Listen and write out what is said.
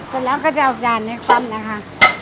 จนแล้วก็จะเอาจานในความนะคะ